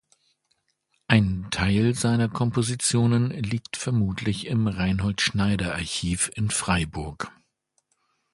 Ein Teil seiner Kompositionen liegt vermutlich im Reinhold-Schneider-Archiv in Freiburg.